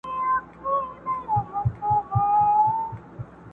ذره غوندي وجود یې د اټوم زور شرمولی.!